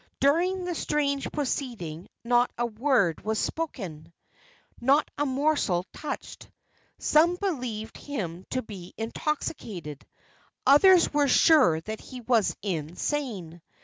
During the strange proceeding not a word was spoken, not a morsel touched. Some believed him to be intoxicated; others were sure that he was insane.